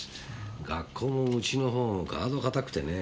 学校も家のほうもガード固くてね。